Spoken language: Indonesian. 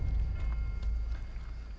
kau tidak akan menang